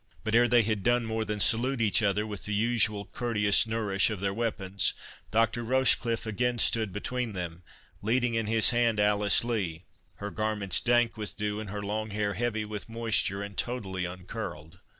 But, ere they had done more than salute each other, with the usual courteous nourish of their weapons, Dr. Rochecliffe again stood between them, leading in his hand Alice Lee, her garments dank with dew, and her long hair heavy with moisture, and totally uncurled.